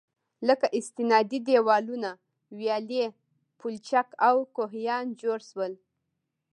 لكه: استنادي دېوالونه، ويالې، پولچك او كوهيان جوړ شول.